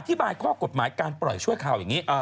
บายข้อกฎหมายการปล่อยช่วยข่าวอย่างนี้